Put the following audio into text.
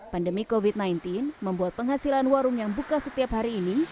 pandemi covid sembilan belas membuat penghasilan warung yang buka setiap hari ini